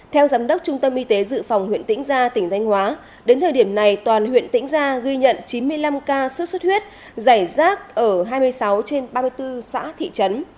theo giám đốc trung tâm y tế dự phòng huyện tĩnh gia tỉnh thanh hóa đến thời điểm này toàn huyện tĩnh gia ghi nhận chín mươi năm ca sốt xuất huyết giải rác ở hai mươi sáu trên ba mươi bốn xã thị trấn